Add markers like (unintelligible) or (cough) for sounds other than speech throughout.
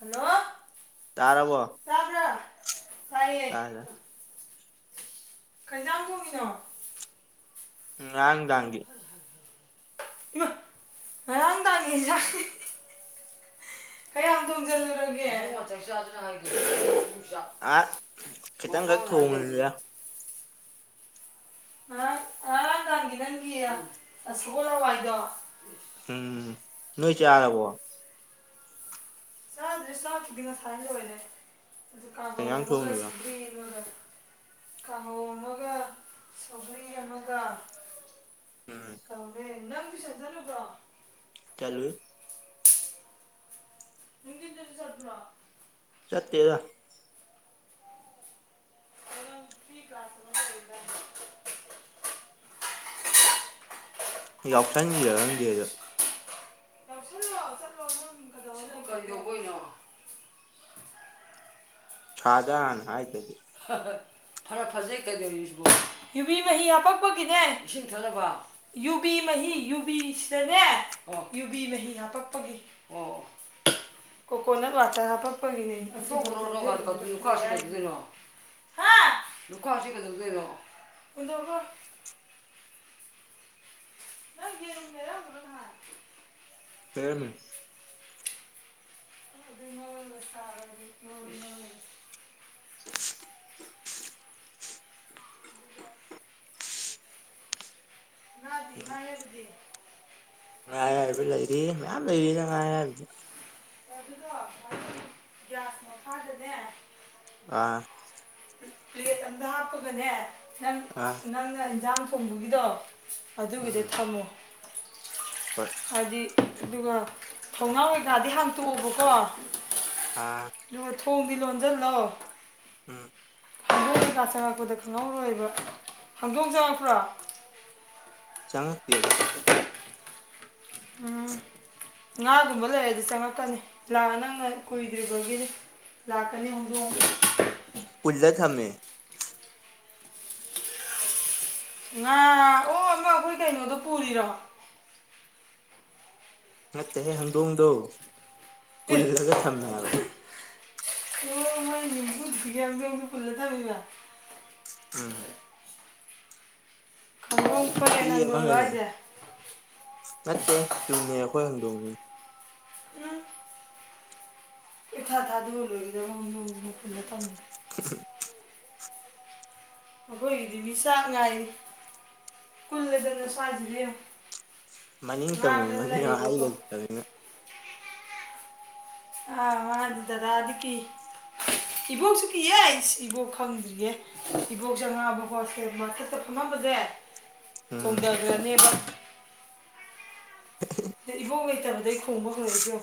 Hello ꯇꯥꯔꯕꯣ ꯇꯥꯢꯌꯦ ꯇꯥꯔꯦ ꯀꯩꯖꯥꯡ ꯊꯣꯡꯉꯤꯅꯣ ꯉꯔꯥꯡ ꯅꯨꯝꯗꯥꯡꯒꯤ ꯏꯃꯥ ꯉꯔꯥꯡ ꯅꯨꯝꯗꯥꯡꯒꯤ ꯌꯦꯟꯖꯥꯡ ꯀꯌꯥꯝ ꯊꯣꯡꯁꯤꯜꯂꯨꯔꯒꯦ (unintelligible) ꯑꯥ ꯈꯤꯇꯪꯈꯛ ꯊꯣꯡꯕꯅꯤꯗ ꯑ ꯑ ꯇꯥꯡꯒꯤ ꯅꯪꯒꯤꯌꯦ ꯑ ꯁꯒꯣꯜ ꯍꯋꯥꯏꯗꯣ ꯎꯝ ꯅꯣꯏ ꯆꯥꯔꯕ꯭ꯔꯣ ꯆꯥꯗ꯭ꯔꯤ ꯆꯥꯛꯄꯨꯗꯤ ꯉꯁꯥꯢꯅ ꯂꯣꯢꯔꯦ ꯑꯗꯨ ꯀꯩ ꯀꯥꯡꯍꯧ ꯏꯟꯖꯥꯡ ꯑꯒ ꯊꯣꯡꯉꯤꯕ ꯁꯒ꯭ꯔꯤ ꯑꯃꯒ ꯀꯥꯡꯍꯧ ꯑꯃꯒ ꯁꯧꯒ꯭ꯔꯤ ꯑꯃꯒ ꯎꯝ ꯇꯧꯔꯦ ꯅꯪ ꯇꯨꯢꯁꯟ ꯆꯠꯂꯨꯕ꯭ꯔꯣ ꯆꯠꯂꯨꯢ ꯅꯨꯡꯗꯤꯟꯗꯁꯨ ꯆꯠꯄ꯭ꯔꯣ ꯆꯠꯇꯦꯗ ꯀꯩꯅꯣ ꯐ꯭ꯔꯤ ꯀ꯭ꯂꯥꯁ ꯑꯃ ꯂꯩꯔꯤꯕ ꯌꯥꯎꯁꯟꯁꯤꯔ ꯈꯪꯗꯦ ꯑꯗꯨ ꯌꯥꯎꯁꯜꯂꯣ (unintelligible) ꯀꯩꯗꯧꯕꯩꯅꯣ ꯁꯥꯔꯗ ꯍꯥꯟꯅ ꯍꯥꯏꯗꯗꯤ ꯐꯔ ꯐꯖꯩ ꯀꯗꯧꯁꯤ ꯌꯨꯕꯤ ꯃꯍꯤ ꯍꯥꯄꯛꯄꯒꯤꯅꯦ ꯏꯁꯤꯡ ꯊꯛꯂꯕ ꯌꯨꯕꯤ ꯃꯍꯤ ꯌꯨꯕꯤꯁꯤꯗꯅꯦ ꯑꯣ ꯌꯨꯕꯤ ꯃꯍꯤ ꯍꯥꯄꯛꯄꯒꯤ ꯑꯣ ꯀꯣꯀꯣꯅꯠ ꯋꯥꯇꯔ ꯍꯥꯄꯄꯒꯤꯅꯦ (unintelligible) ꯍꯥ ꯂꯨꯈꯥꯛꯁꯦ ꯀꯩꯗꯧꯗꯣꯢꯅꯣ ꯍꯨꯟꯗꯣꯛꯈꯣ ꯅ ꯌꯦꯔꯨꯝꯅꯦꯗ (unintelligible) (unintelligible) ꯇꯦꯝ ꯑꯗꯨꯅ ꯇ (unintelligible) ꯎꯝ (unintelligible) ꯉꯥ ꯑꯌꯥꯢꯕ ꯂꯩꯔꯤ ꯃꯌꯥꯝ ꯂꯩꯔꯤꯗ ꯉꯥ ꯑꯌꯥꯢꯕꯗꯤ ꯑꯗꯨꯗꯣ (unintelligible) ꯒ꯭ꯌꯥꯁ ꯃꯈꯥꯗꯅꯦ ꯑꯥ ꯄ꯭ꯂꯦꯠ ꯑꯝꯗ ꯍꯥꯞꯄꯒꯅꯦ ꯅꯪ ꯑꯥ ꯅꯪꯅ ꯢꯟꯁꯥꯡ ꯊꯣꯡꯕꯒꯤꯗꯣ ꯑꯗꯨꯒꯤꯗꯨ ꯎꯝ ꯊꯝꯃꯨ ꯍꯣꯏ ꯍꯥꯏꯗꯤ ꯑꯗꯨꯒ ꯊꯧꯅꯥ ꯒ꯭ꯔꯥꯗꯤ ꯍꯥꯡꯇꯣꯛꯑꯣꯕꯀꯣ ꯑꯥ ꯑꯗꯨꯒ ꯊꯣꯡꯗꯤ ꯂꯣꯟꯖꯜꯂꯣ ꯎꯝ ꯈꯥꯡꯗꯣꯡꯝ ꯀꯩꯀꯥ ꯆꯪꯉꯛꯄꯗ ꯈꯪꯍꯧꯔꯣꯏꯕ ꯈꯥꯡꯗꯣꯡ ꯆꯪꯉꯛꯄ꯭ꯔꯥ ꯆꯪꯉꯛꯇꯦꯗꯥ ꯎꯝ ꯉꯥꯒꯨꯝꯕ ꯂꯩꯔꯗꯤ ꯆꯪꯉꯛꯀꯅꯤ ꯂꯥꯛꯑ ꯅꯪꯅ ꯀꯨꯏꯗ꯭ꯔꯤꯕꯒꯤꯅꯤ ꯂꯥꯛꯀꯅꯤ ꯍꯧꯗꯣꯡ ꯄꯨꯜꯂ ꯊꯝꯃꯦ ꯅꯅꯥ ꯑꯣ ꯑꯃ ꯑꯩꯈꯣꯏ ꯀꯩꯅꯣꯗꯣ ꯄꯨꯔꯤꯔꯣ ꯃꯠꯇꯦ ꯍꯗꯣ ꯎꯗꯣ ꯑꯦ ꯄꯨꯜꯂꯒ ꯊꯝꯃꯦꯕ ꯑꯣ ꯄꯂꯗꯗ (unintelligible) (inaudible) ꯎꯝ ꯍꯪꯗꯣꯡ ꯐꯌꯦ ꯍꯨꯏ ꯅꯪꯗꯣꯡ ꯑꯃꯒ ꯂꯩ ꯂꯏꯁꯦ ꯅꯠꯇꯦ ꯇꯨꯝꯅꯦ ꯑꯩꯈꯣꯏ ꯍꯧ ꯗꯣꯡꯅꯤ ꯎꯝ ꯏ ꯊꯥ ꯊꯥꯗꯔ ꯑꯣꯏꯗ (unintelligible) (unintelligible) ꯑꯩꯈꯣꯏꯒꯤꯗꯤ ꯃꯤ ꯆꯥꯛ ꯉꯥꯏ ꯀꯨꯜꯂꯗꯅꯁꯋꯥꯁꯤꯅꯦ ꯃꯅꯤ ꯃꯅꯤ ꯍꯥꯏꯒ ꯇ ꯑꯥ ꯃꯥꯗꯤ ꯗꯗꯥꯗꯤ ꯀꯤ ꯏꯕꯣꯛꯁꯨ ꯀꯤꯌꯦ ꯑꯩ ꯏꯕꯣꯛ ꯈꯪꯗ꯭ꯔꯤꯒꯦ ꯏꯕꯣꯛꯁꯨꯦ ꯑ ꯉꯥꯕ ꯍꯣꯁꯇꯦ ꯃꯥꯔꯀꯦꯠꯇ ꯐꯪꯉꯝꯕꯁꯦ ꯎꯝ ꯆꯣꯡꯗꯒꯔꯥꯅꯤꯕ ꯏꯕꯣ ꯀꯕꯗꯩ ꯈꯣꯡꯕ ꯍꯧꯔꯛꯏꯁ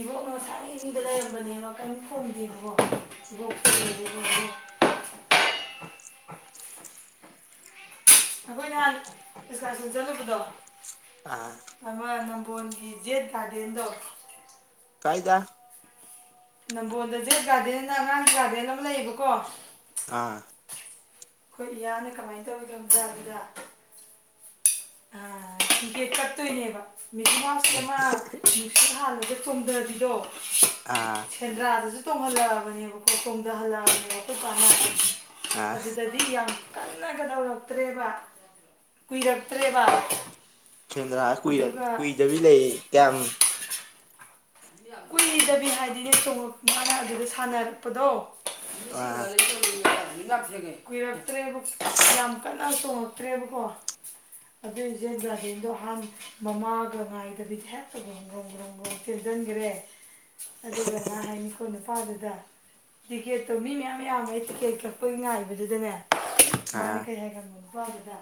ꯏꯕꯣꯛꯅ ꯉꯁꯥ ꯏꯨꯡꯗ ꯂꯩꯔꯝꯕꯅꯦꯕ ꯀꯔꯤꯝ ꯈꯣꯡꯗꯦꯕꯀꯣ ꯏꯕꯣꯛꯦ (unintelligible) ꯑꯩꯈꯣꯏ ꯅꯍꯥꯟ ꯑꯦꯛꯁꯀꯔꯁꯟ ꯆꯠꯂꯨꯕꯗꯣ ꯑꯥ ꯑꯃ ꯅꯝꯕꯣꯟꯒꯤ ꯖꯦꯠ ꯒꯥꯔꯗꯦꯟꯗꯣ ꯐꯗ (unintelligible) ꯅꯝꯕꯣꯜꯗ ꯖꯦꯠ ꯒꯥꯔꯗꯦꯟꯅ ꯑꯉꯥꯡ ꯒꯥꯔꯗꯦꯟ ꯑꯃ ꯂꯩꯌꯦꯕꯀꯣ ꯑꯥ ꯑꯩꯈꯣꯏ ꯏꯌꯥꯅ ꯀꯃꯥꯏꯅ ꯇꯧꯔꯤꯒꯣꯖꯥꯒꯤꯗ ꯑꯥ ꯇꯤꯛꯀꯦꯠ ꯀꯛꯇꯣꯏꯅꯦꯕꯥ ꯃꯤꯊꯦ ꯃꯥ ꯑꯗꯨꯗ ꯆꯣꯡꯝꯊꯕꯤꯗꯣ ꯑꯥ ꯁꯗ꯭ꯔꯥ ꯑꯗꯨꯁꯨ ꯇꯣꯡ ꯍꯜꯂꯛꯑꯕꯅꯦꯕꯀꯣ ꯇꯨꯡꯗ ꯍꯜꯂꯛꯑꯕꯅꯦꯕ ꯑꯩꯈꯣꯏ ꯀꯥꯟꯅ ꯑꯥ ꯑꯗꯨꯗꯗꯤ ꯌꯥꯝ ꯀꯟꯅ ꯀꯗꯧꯔꯛꯇ꯭ꯔꯦꯕ ꯀꯨꯏꯔꯛ ꯐꯠꯇꯦꯕ ꯆꯦꯟꯗ꯭ꯔ ꯀꯨꯏ ꯀꯨꯏꯗꯕꯤ ꯂꯩ ꯀꯌꯥꯝ ꯀꯨꯏꯗꯕꯤ ꯍꯥꯏ ꯣꯡꯉ ꯃꯥꯅ ꯑꯗꯨꯒ ꯁꯥꯟꯅꯔ ꯄꯗꯣ ꯑꯥ ꯃꯁꯔꯦ ꯀꯨꯏꯔꯛꯇ꯭ꯔꯦꯕ ꯌꯥꯝ ꯀꯟꯅ ꯇꯣꯡꯉꯛꯇ꯭ꯔꯦꯕꯀꯣ ꯑꯗꯨꯏꯁꯦ ꯒꯥꯔꯗꯦꯟꯗꯣ ꯍꯥꯟ ꯃꯃꯥꯒ ꯉꯥꯏꯗꯕꯤꯗ ꯍꯦꯛꯇ ꯭ꯔꯣꯒ꯭ꯔꯣ ꯭ꯔꯣꯝ ꯭ꯔꯣꯝ ꯆꯪꯗ꯭ꯔꯦ ꯑꯗꯨꯒ ꯃꯥ ꯍꯥꯏꯅꯤꯀꯣ ꯅꯨꯄꯥꯗꯨꯗꯤ ꯂꯤꯀꯦ ꯇꯧꯃꯤ ꯃꯌꯥꯝ ꯑꯉꯥꯏ ꯀꯦ꯭ꯔ ꯑꯗꯨꯗꯅꯦ ꯑꯥ ꯃꯥꯅꯦ ꯀꯩ ꯍꯥꯏꯒ ꯃ ꯗꯨ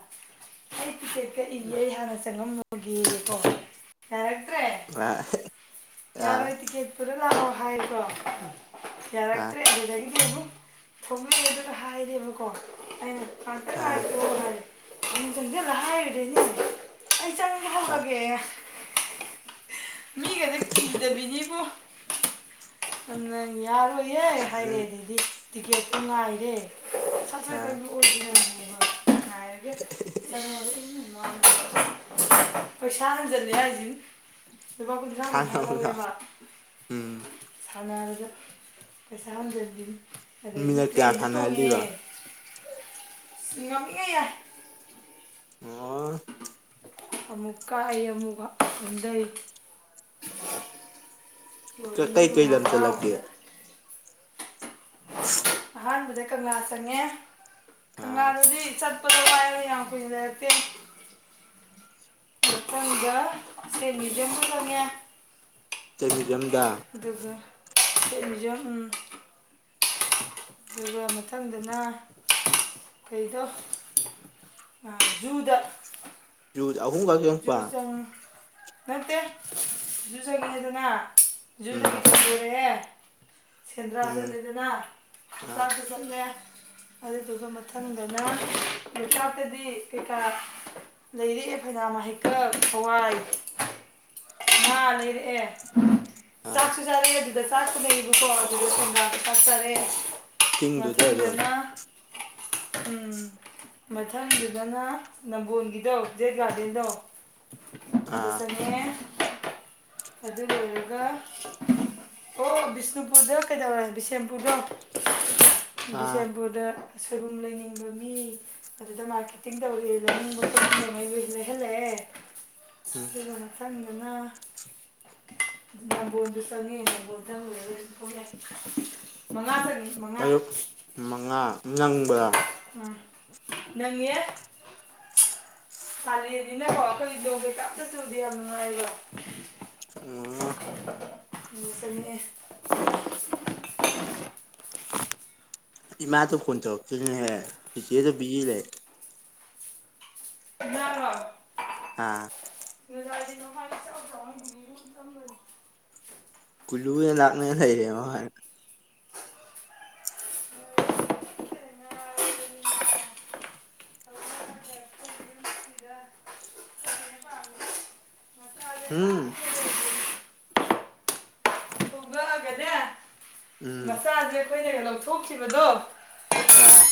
ꯑꯩ ꯇꯤꯛꯀꯦꯠ ꯀꯛꯏꯒ ꯑꯩ ꯍꯥꯟꯅ ꯆꯪꯉꯝꯃꯨꯒꯦꯀꯣ ꯉ ꯑ ꯌꯥꯔꯣꯏ ꯀꯦꯠꯔꯣ ꯂꯥꯛꯑꯣ ꯍꯥꯏꯕ꯭ꯔꯣ ꯑꯥ ꯌꯥꯔꯛꯇ꯭ꯔꯦ ꯑꯗꯨꯗ ꯑꯃꯨ ꯊꯣꯛꯣꯡꯂꯗꯨꯅ ꯍꯥꯏꯔꯦꯕꯀꯣ ꯑꯩꯅ ꯀꯇꯥꯏ ꯍꯥꯏꯦ ꯑꯥ ꯌꯦ ꯆ ꯂ ꯍꯥꯏꯥꯏꯔ ꯆꯪꯕ ꯍꯧꯒꯒꯦ ꯃꯤ ꯀꯗ ꯀꯤꯗꯕꯤꯅꯤꯕꯣ ꯑ ꯌꯥꯔ ꯑꯥ ꯅꯪ ꯍꯥꯏꯥꯏꯅꯦꯗꯤ ꯇꯤꯀꯦꯠꯇꯨ ꯉꯥꯏꯔꯦ ꯁꯥꯏ ꯑꯥ ꯀꯕꯨ ꯑꯣꯏꯕꯤꯔ ꯑꯔ ꯄꯩꯁꯥ ꯍꯟꯖꯤꯜꯟꯂꯦ ꯍꯥꯏꯁꯤ ꯂꯨꯄꯥ ꯀꯨꯟꯊ꯭ꯔꯥ ꯀꯨꯟꯊ꯭ꯔꯥ ꯁꯥꯟꯅꯕꯗꯣ ꯂꯧꯋꯦꯕ ꯎꯝ ꯁꯥꯟꯅꯔꯗ ꯄꯩꯁꯥ ꯍꯟꯊꯕꯤꯕꯤꯅꯤ ꯑꯗ ꯏ ꯃꯤꯅꯠ ꯀꯌꯥ ꯇ꯭ꯔꯦꯟꯁꯨ ꯇꯣꯡꯉꯦꯦ ꯁꯥꯟꯅꯍꯜꯂꯤꯕ ꯁꯤꯌꯥꯃꯤ ꯀꯌꯥ ꯑꯣ ꯑꯃꯨꯛ ꯀꯥꯏꯏ ꯑꯃꯨꯛ ꯍꯟꯊꯩ ꯂꯔꯤꯒꯤ ꯀꯩ ꯀꯩ ꯃꯅ ꯂꯝ ꯍꯥ ꯆꯠꯂꯛꯀꯦ ꯍꯧꯗ ꯑꯍꯥꯟꯕꯗ ꯀ ꯆꯪꯉꯦ ꯑꯥ ꯀꯪꯂꯥꯗꯨꯗꯤ ꯆꯠꯄꯏ ꯌꯥ ꯄꯨꯗ ꯏꯠꯇ ꯇꯪꯒꯥ ꯁ ꯃꯗꯤꯝ ꯆꯉꯦ ꯇꯃꯤꯖꯝꯗ ꯖ ꯎ ꯑꯗꯨꯒ ꯃꯊꯪꯗꯅ ꯀꯩꯗꯣ ꯖꯨꯗ ꯌ ꯑꯍꯨꯝ ꯀ ꯖꯨ ꯌꯦꯡꯄ ꯆꯪ ꯅꯠꯇꯦ ꯌꯨꯁꯗꯅ ꯌꯖꯨꯗ ꯎꯝ ꯄꯔꯦꯦ ꯁꯦꯟꯗ꯭ꯔꯥ ꯎꯝ ꯆꯠꯂꯦꯗꯅ ꯑꯥ ꯍꯣꯛꯇꯥꯛꯗ ꯆꯠꯂꯦ ꯑꯗꯨꯗꯨꯒ ꯃꯊꯪꯗꯅ ꯂꯣꯛꯇꯥꯛꯇꯗꯤ ꯀꯩꯀꯥ ꯂꯩꯔꯛꯑꯦ ꯑꯩꯈꯅꯥꯃ ꯍꯦꯛꯀꯛ ꯊꯋꯥꯏ ꯃꯥ ꯂꯩꯔꯦ ꯑꯥ ꯁꯥꯠꯔꯤ ꯁꯔꯦ ꯁꯁ ꯅ ꯁꯗꯗ ꯁꯣ ꯁꯁ ꯑꯔꯦ ꯆꯤꯡꯗꯨꯗ ꯑꯗꯨꯝ ꯃꯊꯪꯗꯅ ꯎꯝ ꯃꯊꯪꯗꯨꯗꯅ ꯅꯝꯕꯣꯣꯟꯒꯤꯗꯣ ꯖꯦꯠ ꯒꯥꯔꯗꯦꯟꯗꯣ ꯑꯗ ꯑꯥ ꯁꯗꯦꯅꯦꯦ ꯑꯗꯨ ꯂꯣꯏꯔꯒ ꯑꯣ ꯕꯤꯁꯅꯨꯄꯨꯔꯗ ꯀꯩꯗꯧꯔ ꯕꯤꯁꯦꯝꯄꯨꯔꯗꯣ ꯑꯥ ꯕꯤꯁꯦꯝꯕꯨꯗ ꯁꯣꯏꯕꯨꯝ ꯂꯩꯅꯤꯡꯕ ꯃꯤ ꯑꯗꯨꯗ ꯃꯥꯔꯀꯦꯇꯤꯡ ꯇꯧꯔꯤꯦ ꯂꯅꯤꯡꯕ ꯂꯩꯍꯜꯂꯛꯑꯦ ꯎꯝ ꯁꯤꯕꯅ ꯐꯝ ꯅꯝꯕꯣꯣꯟꯁꯨ ꯆꯪꯉꯦ ꯅꯝꯕꯣꯜ ꯆꯪꯉꯨꯔꯦ ꯌꯥꯏ ꯃꯉꯥ ꯆꯪꯉ ꯇꯌꯨꯛ ꯃꯉꯥ ꯅꯪꯕ꯭ꯔꯥ ꯑꯥ ꯅꯪꯉꯦ ꯁꯥꯂꯅꯤꯅꯀꯣ ꯑꯩꯈꯣꯏ ꯗꯣꯒꯦ ꯀꯞ ꯆꯠ ꯆꯨꯗꯦ ꯌꯥꯝ ꯅꯨꯡꯉꯥꯏꯔꯤꯕ ꯑꯣ ꯃꯁꯅꯦ ꯃꯥ ꯇ ꯐꯣꯟ ꯇ ꯕꯤꯖꯤ ꯂꯩ ꯣ ꯑꯥ ꯃꯖꯥꯏ ꯅꯣꯉꯥꯏ ꯆ ꯆ ꯈꯒ ꯀꯂꯨ ꯌꯦ ꯂꯥꯛꯅꯔ ꯃꯆꯥꯁꯦ ꯎꯝ ꯍꯥꯞꯄꯦ ꯊꯣꯡꯉꯛꯑꯒꯅꯦ ꯎꯝ ꯊꯣꯛꯈꯤꯕꯗꯣ ꯑ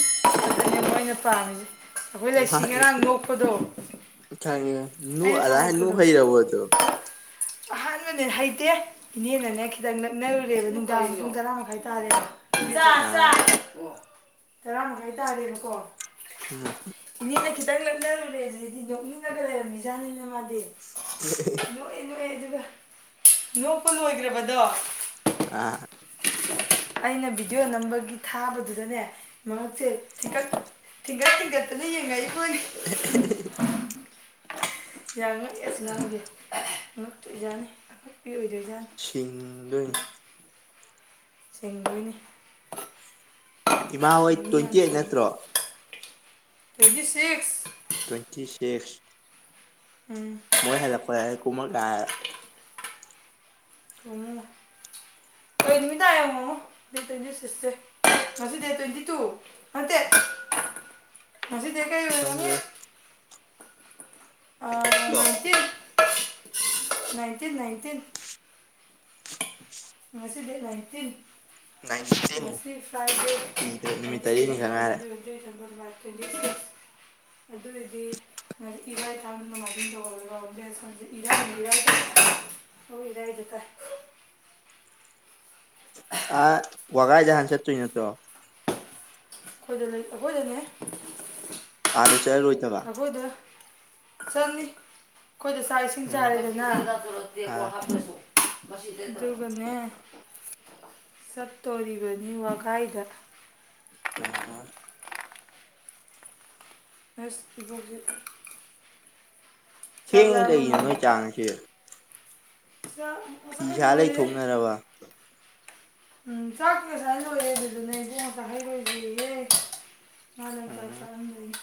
ꯩꯅ ꯄꯥꯝꯒ ꯃꯥꯅꯦ ꯊ ꯑꯩꯅ ꯑ ꯅ ꯊꯥꯒꯠꯄꯗꯣ ꯍꯩꯔꯨ ꯇ ꯑꯍꯥꯟꯕꯅꯦ ꯍꯩꯇꯦ ꯏꯅꯦꯅꯅꯦ ꯈꯤꯇꯪ ꯅꯛꯅꯔꯨꯔꯦꯕ ꯅꯨꯡꯗꯥꯡ ꯄꯨꯡ ꯇꯔꯥ ꯃꯈꯥꯏ ꯇꯥꯔꯦ ꯆ ꯆ ꯑꯥ ꯇꯔꯥ ꯃꯈꯥꯏ ꯇꯥꯔꯦꯅꯀꯣ ꯎꯝ ꯈꯤꯇꯪ ꯂꯅꯔꯨꯔꯦ ꯑꯗꯨꯗꯤ ꯅꯣꯛꯃꯤ ꯂꯩ ꯃꯤꯖꯥꯅꯤꯅ ꯃꯥꯗꯤ ꯅꯣꯏꯣꯏ ꯅꯣꯏ ꯅꯣꯛꯄ ꯂꯣꯏꯈ꯭ꯔꯕꯗꯣ ꯑ ꯑꯩꯅ ꯚꯤꯗꯤꯑꯣ ꯅꯝꯕꯒꯤ ꯊꯥꯕꯗꯨꯗꯅꯦ ꯃꯔꯁꯦ ꯊꯀꯠ ꯊꯤꯡꯀꯠ ꯊꯤꯡꯒꯠꯇꯅ ꯌꯦꯡꯉꯛꯏ (unintelligible) ꯌꯥ ꯉ ꯑꯁ ꯉꯪꯕꯤ ꯉꯛꯇ ꯌꯥꯅꯤ ꯑꯉꯛꯄꯤ ꯑꯣꯏꯗ ꯁꯤꯡꯗꯣꯏꯅꯤ (unintelligible) ꯆꯦꯡꯗꯣꯏꯅꯤ ꯏꯃꯥ ꯍꯣꯏ ꯇ꯭ꯋꯦꯟꯇꯤ ꯑꯩꯠ ꯅꯠꯇ꯭ꯔꯣ ꯇ꯭ꯋꯦꯟꯇꯤ ꯁꯤꯛꯁ ꯇ꯭ꯋꯦꯟꯇꯤ ꯁꯤꯛꯁ ꯎꯝ ꯃꯣꯏ ꯍꯦꯂꯀꯣꯨꯝ ꯃ ꯎ ꯀꯣꯏ ꯅꯨꯃꯤꯗꯥꯡ ꯌꯦꯡꯃꯣ ꯗꯦꯠ ꯇ꯭ꯋꯦꯟꯇꯤ ꯁꯤꯛꯁꯁꯦ ꯉꯁꯤ ꯗꯦꯠ ꯇ꯭ꯋꯦꯟꯇꯤ ꯇꯨ ꯅꯟꯇꯦ ꯍꯧꯖꯤꯦꯗꯤ ꯀꯥꯏ ꯑꯣꯏꯒꯅ ꯈꯪꯗꯦ ꯑ ꯃꯁꯤ ꯅꯥꯏꯟꯇꯤꯟ ꯅꯥꯏꯟꯇꯤꯟ ꯉꯁꯤ ꯂꯩ ꯍꯥꯏꯥꯏꯇ ꯅꯥꯏꯟꯇꯤꯟ ꯉꯁꯤ ꯐꯔꯥꯏꯗꯦ ꯀꯨꯏꯗ꯭ꯔꯦ ꯅꯨꯃꯤꯠ ꯇꯔꯦꯠꯅꯤ ꯈꯛ ꯉꯥꯏꯔꯦ (unintelligible) (unintelligible) ꯑꯗꯨꯑꯣꯏꯗꯤ ꯏꯔꯥꯏ ꯊꯥꯡꯕ ꯅꯣꯡꯃꯥꯏꯖꯤꯡ ꯂꯩꯕꯥꯛꯕꯣꯛꯄ (unintelligible) ꯏꯔꯥꯏꯗꯤ ꯏꯔꯥꯏꯅꯤ ꯑ ꯋꯥꯒꯥꯏꯖꯦꯍꯥꯟ ꯆꯠꯇꯣꯏ ꯅꯠꯇꯔꯣ꯫ ꯑꯩꯈꯣꯏꯗ ꯂꯩ ꯑꯩꯈꯣꯏꯗꯅꯦꯍꯦ꯫ ꯑꯗ ꯆꯠꯂꯣꯏꯗꯕ꯫ ꯆꯜꯂꯤ꯫ ꯑꯩꯈꯣꯏꯗ ꯆꯥꯛ ꯏꯁꯤꯡ ꯎꯝ ꯆꯥꯔꯦꯗꯅ ꯑꯥ (unintelligible) ꯍꯥꯞꯇꯔꯁꯨ ꯃꯁꯤꯗ ꯑꯗꯨꯒꯅꯦ ꯆꯠꯇꯣꯔꯤꯕꯅꯤ ꯋꯥꯒꯥꯏꯗ꯫ ꯑꯥ ꯑꯁ ꯏꯕꯣꯛꯁꯤ ꯊꯦꯡꯉꯦ ꯀꯩꯒꯤꯅꯣ ꯅꯣꯏ ꯆꯥꯛ ꯉꯁꯤꯗꯤ ꯆꯥꯛ ꯉꯁꯥꯏ ꯂꯣꯏꯔꯦꯍꯦ꯫ ꯂꯩꯊꯣꯛꯅꯔꯕ ꯎꯝ ꯆꯥꯛꯇꯤ ꯉꯁꯥꯏ ꯂꯣꯏꯔꯦ ꯑꯗꯨꯗꯅꯦ ꯏꯕꯣꯛꯅꯅꯦ ꯆꯥꯍꯩꯔꯣꯏꯒꯦꯌꯦ꯫ ꯃꯥꯅ ꯆꯥꯛ ꯎꯝ ꯆꯥꯍꯟꯗ꯭ꯔꯤꯅꯤ꯫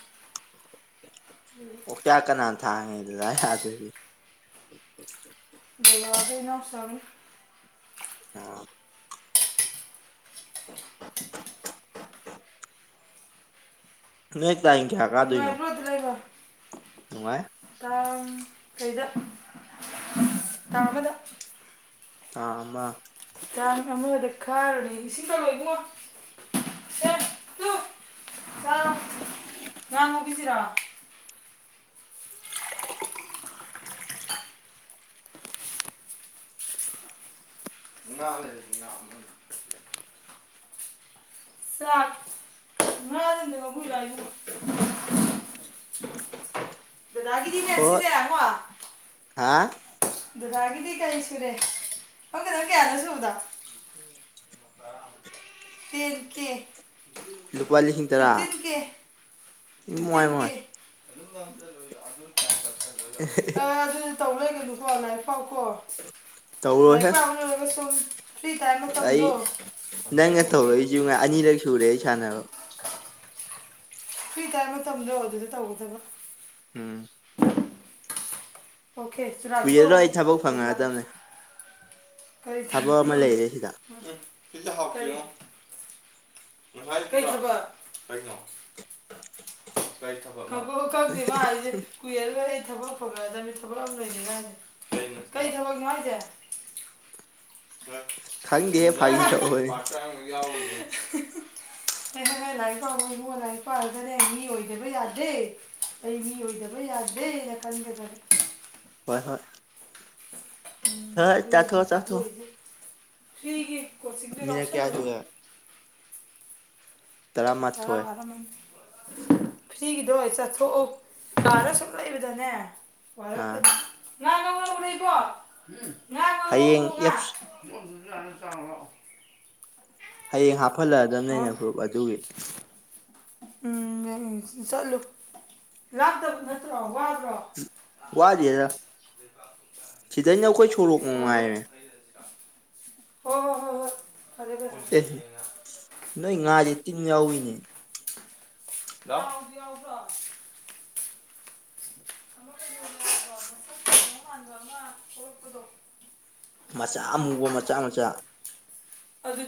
ꯑꯣꯛꯆꯥꯛ ꯀꯅꯥꯅ ꯊꯥꯡꯉꯤ꯫ (unintelligible) ꯫ (unintelligible) ꯗꯥꯗꯥꯒ ꯏꯅꯥꯎꯆꯥꯒꯅ꯫ ꯑ꯫ ꯇꯨꯂꯦꯠ ꯇꯔꯤꯛ ꯀꯌꯥ ꯀꯥꯗꯨꯏꯅꯣ꯫ ꯅꯨꯡꯉꯥꯏ꯫ ꯇꯥꯡ ꯀꯩꯗ ꯇꯥꯡ ꯑꯃꯗ꯫ ꯇꯥꯡ ꯑꯃ꯫ ꯇꯥꯡ ꯑꯃꯗ ꯀꯥꯔꯨꯅꯤ ꯏꯁꯤꯡ ꯀꯜꯂꯛꯑꯣ ꯏꯕꯨꯡꯉꯣ ꯁꯦ ꯇꯨ ꯆꯠꯂꯣ ꯉꯥ ꯉꯧꯒꯤꯖꯤꯔꯣ꯫ ꯉꯥ ꯂꯩꯔꯗꯤ ꯉꯥ (unintelligible) ꯆꯥꯛ ꯉꯥ (unintelligible) ꯁꯤ ꯑꯝꯇ ꯉꯧꯕꯤꯔꯨꯂꯥꯎ ꯏꯕꯨꯉꯣ ꯗꯥꯗꯥꯒꯤꯗꯤꯅꯦ ꯍꯣꯏ ꯁꯤꯖꯦꯀꯣ ꯉꯥ ꯍꯥ ꯗꯨꯗꯥꯒꯤꯗꯤ ꯀꯔꯤ ꯁꯨꯔꯦ ꯄꯛꯀꯗꯕ ꯀꯌꯥꯅꯣ ꯁꯨꯕꯗꯣ ꯇꯥꯔꯃꯨꯛ ꯇꯦꯟ ꯀꯦ ꯂꯨꯄꯥ ꯂꯤꯁꯤꯡ ꯇꯔꯥ꯫ ꯏꯃꯥꯏ ꯃꯥꯏ꯫ (unintelligible) (unintelligible) ꯍꯣꯢ ꯍꯣꯢ ꯑꯗꯨ ꯇꯧ ꯂꯩꯒꯅꯨꯀꯣ ꯂꯥꯏꯔꯤꯛ ꯄꯥꯎꯀꯣ ꯫ ꯂꯥꯏꯔꯤꯛ ꯇꯧꯔꯣꯏꯍꯦ ꯄꯥꯕ ꯂꯣꯏꯔꯒ ꯁꯨ (unintelligible) ꯑꯩ ꯅꯪꯒ ꯇꯧꯗꯣ ꯑꯗꯨ ꯇꯧꯔꯛꯏꯁꯤ ꯉ ꯈꯛꯇ ꯇꯧꯋꯦ ꯑꯅꯤꯔꯛ ꯁꯨꯔꯦ ꯑꯩ ꯁꯥꯟꯅꯔꯣ ꯐꯤ ꯇꯥꯏ ꯃꯇꯝꯗꯣ ꯑꯗꯨꯗ ꯇꯧꯒꯗꯕ ꯎꯝ ꯑꯣꯀꯦ ꯆꯔꯕꯤ ꯇꯣ ꯀꯨꯏꯔꯔꯣꯏ ꯑꯩ ꯊꯕꯛ ꯑꯣꯖ ꯐꯪꯉꯛꯑꯗꯕꯅꯦ ꯀ ꯊꯕꯛ ꯑꯃ ꯂꯩꯔꯦ ꯁꯤꯗ ꯏꯂ ꯍꯥꯎ ꯣ ꯀꯣ ꯀꯥꯏ ꯊ ꯈꯪ ꯈꯪꯗꯦ ꯃꯥ ꯍꯥꯏꯁꯦ ꯀꯨꯏꯔꯒ ꯊꯕꯛ ꯐꯪꯒꯗꯕꯅꯤ ꯊꯕꯛ ꯑꯃ ꯂꯩꯅꯤꯉꯥꯏꯁ ꯀꯔꯤ ꯊꯕꯛ ꯅꯨꯡꯉꯥꯏꯁꯦ ꯈꯪꯅꯤꯡꯗꯦꯦ ꯐꯥꯒꯤ ꯆ ꯑꯣꯏꯔꯦ ꯅꯩꯅ ꯍ ꯂꯥꯏꯔꯤꯛ ꯄꯥꯔ ꯂꯥꯏꯔꯤꯛ ꯄꯥꯔꯒꯅꯦ ꯑꯣꯏ ꯑꯣꯏꯗꯕ ꯌꯥꯗꯦ ꯑꯩ ꯃꯤ ꯑꯣꯏꯗꯕ ꯌꯥꯗꯦꯅ ꯈꯟꯒꯗꯔꯦ ꯍꯣꯏ ꯍꯣꯏ ꯍꯣꯏ ꯆꯠꯊꯣ ꯆꯠꯊꯣ ꯍꯒꯤꯦꯠ ꯀꯣꯆꯤꯡꯅꯦ ꯌꯥꯥꯎꯁꯜꯂꯨ ꯇꯔꯥꯃꯥꯊꯣꯏ ꯇꯔ ꯐ꯭ꯔꯤꯒꯤꯗꯣ ꯆꯠꯊꯣꯛꯎ ꯀꯥꯗ ꯁꯨꯝ ꯂꯩꯕꯗꯅꯦ ꯑꯥ ꯋꯥꯔꯀꯗꯤ ꯌꯥ ꯎꯀꯣ ꯍꯌꯦꯡꯐ ꯆꯥꯣ ꯍꯌꯦꯡ ꯍꯥꯞ ꯍꯠꯂꯛꯑꯗꯕꯅꯦꯅꯦ ꯐ꯭ꯔꯨꯞ ꯑꯗꯨꯒꯤ ꯎꯝ ꯆꯠꯂꯨ ꯂꯥꯞꯇꯕ ꯅꯠꯇ꯭ꯔꯣ ꯋꯥꯕ꯭ꯔꯣ ꯁꯤꯗꯩꯩꯅꯈꯣꯏ ꯁꯣꯔꯣꯛ ꯃꯅꯨꯡꯉꯥꯏꯦ ꯍ ꯍꯣ ꯍꯣ ꯍ ꯅ ꯉꯖꯤ ꯇꯤꯡ ꯌꯥꯎꯏꯤꯅꯦ ꯂ ꯃꯗꯣ ꯃꯆꯥ ꯑꯃꯨꯕ ꯃꯆꯥ ꯃꯆꯥ ꯑꯗꯨ